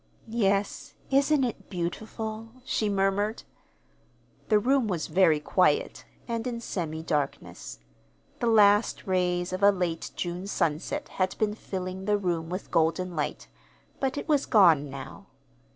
"Yes, isn't it beautiful?" she murmured. The room was very quiet, and in semi darkness. The last rays of a late June sunset had been filling the room with golden light, but it was gone now.